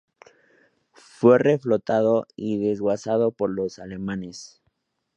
Fue reflotado y desguazado por los alemanes.